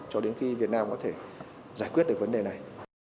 cho đến khi việt nam có thể giải quyết được vấn đề này